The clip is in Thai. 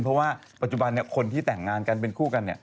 เพราะว่าปัจจุบันคนที่แต่งงานกันเป็นคู่กัน